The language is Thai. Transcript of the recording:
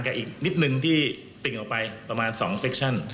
อีกนิดนึงที่ติ่งออกไปประมาณ๒เฟคชั่น